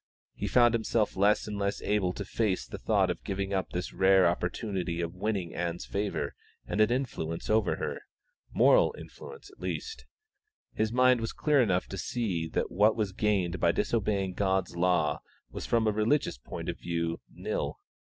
He found himself less and less able to face the thought of giving up this rare opportunity of winning Ann's favour and an influence over her moral influence at least; his mind was clear enough to see that what was gained by disobeying God's law was from a religious point of view nil.